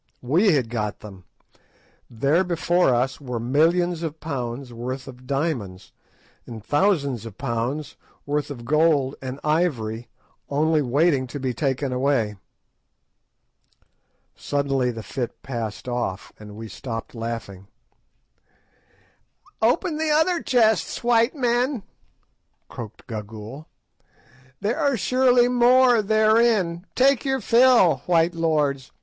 We had got them: there before us were millions of pounds' worth of diamonds, and thousands of pounds' worth of gold and ivory only waiting to be taken away. Suddenly the fit passed off, and we stopped laughing. "Open the other chests, white men," croaked Gagool, "there are surely more therein. Take your fill, white lords!